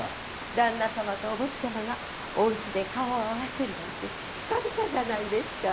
旦那様とお坊ちゃまがおうちで顔を合わせるなんて久々じゃないですか。